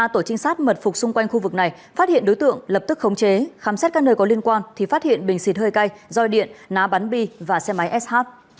ba tổ trinh sát mật phục xung quanh khu vực này phát hiện đối tượng lập tức khống chế khám xét các nơi có liên quan thì phát hiện bình xịt hơi cay roi điện ná bắn bi và xe máy sh